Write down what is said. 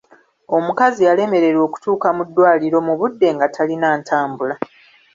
Omukazi yalemererwa okutuuka mu ddwaliro mu budde nga talina ntambula.